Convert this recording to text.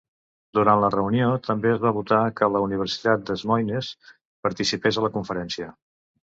Durant la reunió, també es va votar que la universitat Des Moines participés a la conferència.